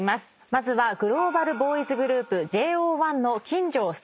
まずはグローバルボーイズグループＪＯ１の金城碧海さんです。